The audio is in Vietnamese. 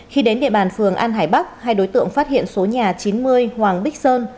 khi đến địa bàn phường an hải bắc hai đối tượng phát hiện số nhà chín mươi hoàng bích sơn